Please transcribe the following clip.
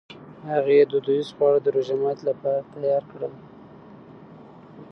هغې دودیز خواړه د روژهماتي لپاره تیار کړل.